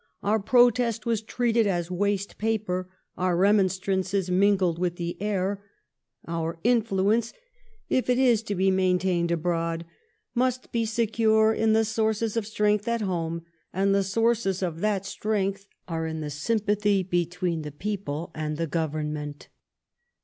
Our protest was treated as waste paper; our remon strances mingled with the air ; our influence, if it is to be main tained abroad, must be secure in the sources of strength at home ; and the sources of that strength are in the sympathy between the people and the Government."